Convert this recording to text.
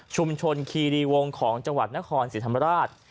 ชุมชนคีรีวงของจังหวัดนครสิรธรรมราช